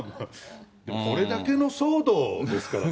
でもこれだけの騒動ですからね。